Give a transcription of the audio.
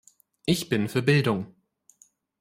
Ich bin für Bildung.